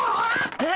えっ！